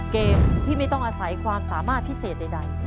เกมที่ไม่ต้องอาศัยความสามารถพิเศษใด